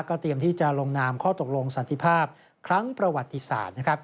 เตรียมที่จะลงนามข้อตกลงสันติภาพครั้งประวัติศาสตร์นะครับ